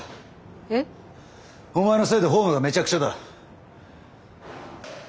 えっ？お前のせいでフォームがめちゃくちゃだ。